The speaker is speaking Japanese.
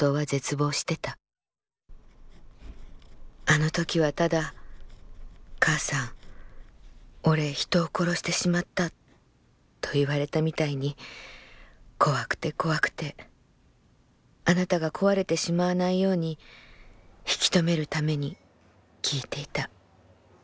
あの時はただ『母さん俺人を殺してしまった』と言われたみたいに怖くて怖くてあなたが壊れてしまわないように引き止めるために聞いていた。